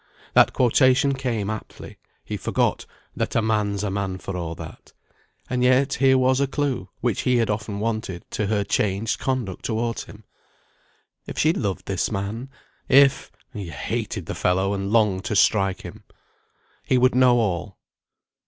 That quotation came aptly; he forgot "That a man's a man for a' that." And yet here was a clue, which he had often wanted, to her changed conduct towards him. If she loved this man. If he hated the fellow, and longed to strike him. He would know all.